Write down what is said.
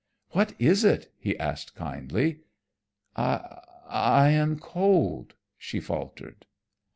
"What is it?" he asked kindly. "I am cold," she faltered.